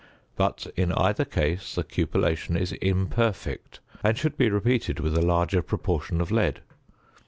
But in either case the cupellation is imperfect, and should be repeated with a larger proportion of lead.